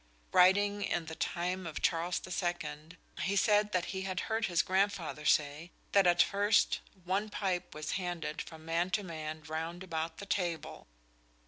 Writing in the time of Charles II, he said that he had heard his grandfather say that at first one pipe was handed from man to man round about the table.